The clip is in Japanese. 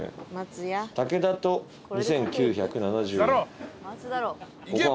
竹だと２，９７０円。